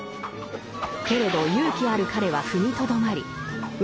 けれど勇気ある彼は踏みとどまり運